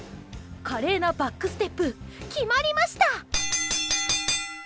華麗なバックステップ決まりました！